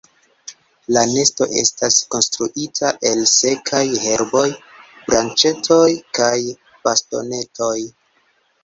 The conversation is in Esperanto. La nesto estas konstruita el sekaj herboj, branĉetoj kaj bastonetoj.